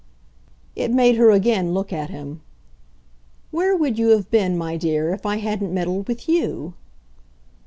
It made her again look at him. "Where would you have been, my dear, if I hadn't meddled with YOU?"